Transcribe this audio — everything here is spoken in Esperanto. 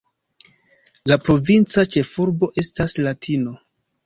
La provinca ĉefurbo estas Latino.